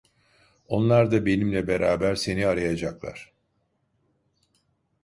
Onlar da benimle beraber seni arayacaklar.